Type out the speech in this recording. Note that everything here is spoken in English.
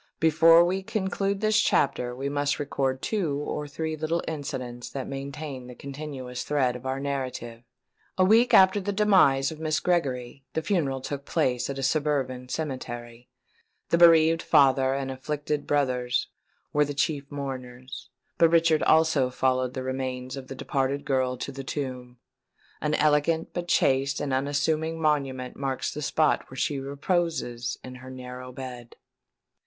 Before we conclude this chapter we must record two or three little incidents that maintain the continuous thread of our narrative. A week after the demise of Miss Gregory, the funeral took place at a suburban cemetery. The bereaved father and afflicted brothers were the chief mourners; but Richard also followed the remains of the departed girl to the tomb. An elegant but chaste and unassuming monument marks the spot where she reposes in her narrow bed.